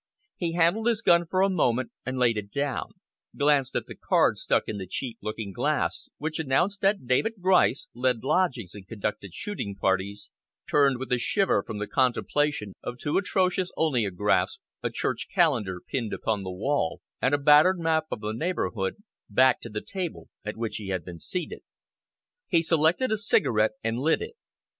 He handled his gun for a moment and laid it down; glanced at the card stuck in the cheap looking glass, which announced that David Grice let lodgings and conducted shooting parties; turned with a shiver from the contemplation of two atrocious oleographs, a church calendar pinned upon the wall, and a battered map of the neighbourhood, back to the table at which he had been seated. He selected a cigarette and lit it.